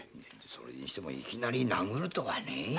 それにしてもいきなり殴るとはねえ。